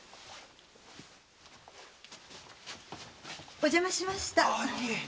お邪魔しました。